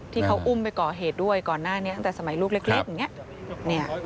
ที่เขาอุ้มไปก่อเหตุด้วยก่อนหน้านี้ตั้งแต่สมัยลูกเล็กอย่างนี้